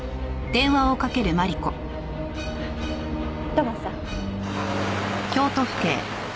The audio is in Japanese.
土門さん？